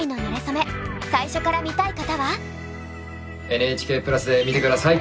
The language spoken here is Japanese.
ＮＨＫプラスで見て下さい！